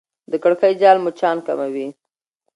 د کړکۍ جال مچان کموي.